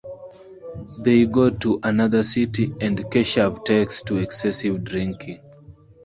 They go to another city and Keshav takes to excessive drinking.